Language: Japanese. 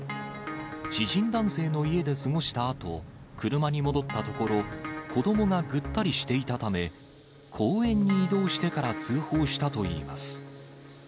知人男性の家で過ごしたあと、車に戻ったところ、子どもがぐったりしていたため、公園に移動してから通報したといいます。